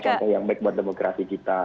contoh yang baik buat demokrasi kita